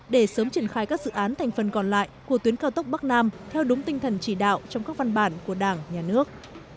để sớm triển khai các dự án thành phần còn lại của tuyến cao tốc bắc nam theo đúng tinh thần chỉ đạo trong các văn bản của đảng nhà nước